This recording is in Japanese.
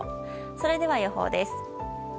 それでは予報です。